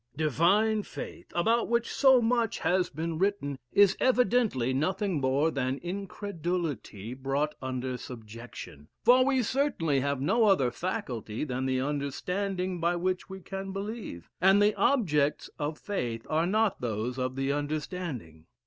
Divine faith, about which so much has been written, is evidently nothing more than incredulity brought under subjection; for we certainly have no other faculty than the understanding by which we can believe; and the objects of faith are not those of the understanding.